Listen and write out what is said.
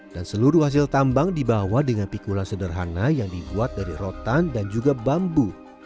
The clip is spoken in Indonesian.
dan seluruh hasil tambang dibawa dengan pikulan sederhana yang dibuat dari rotan dan juga bambu